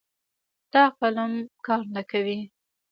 دا قلم کار نه کوي